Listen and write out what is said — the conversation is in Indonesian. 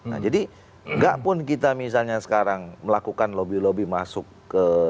nah jadi nggak pun kita misalnya sekarang melakukan lobby lobby masuk ke